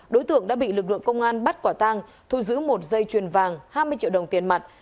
đối tượng đã bị lực lượng công an bắt quả tang thu giữ một dây chuyền vàng hai mươi triệu đồng tiền mặt